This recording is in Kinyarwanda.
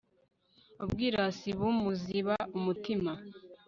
ubwirasi bumuziba umutima